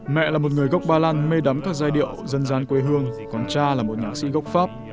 mẹ là một người gốc ba lan mê đắm các giai điệu dân gian quê hương còn cha là một nhạc sĩ gốc pháp